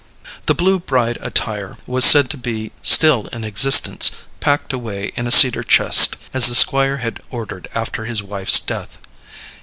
The blue bride attire was said to be still in existence, packed away in a cedar chest, as the Squire had ordered after his wife's death.